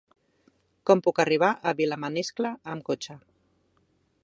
Com puc arribar a Vilamaniscle amb cotxe?